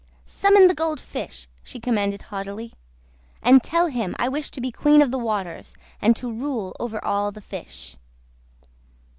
"Summon the Gold Fish," she commanded haughtily, "and tell him I wish to be Queen of the Waters, and to rule over all the fish."